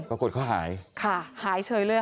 ปรากฏเขาหายค่ะหายเฉยเลยค่ะ